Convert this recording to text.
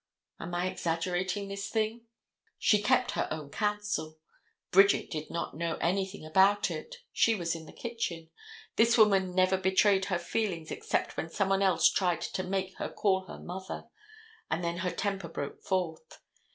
Am I exaggerating this thing? She kept her own counsel. Bridget did not know anything about it. She was in the kitchen. This woman never betrayed her feelings except when some one else tried to make her call her mother, and then her temper broke forth.